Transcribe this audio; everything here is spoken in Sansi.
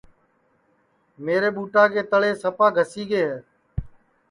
میرے ٻوٹا کے تݪے سپا گھسی گے ہے